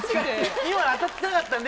当たってなかったらね